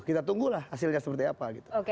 kita tunggulah hasilnya seperti apa gitu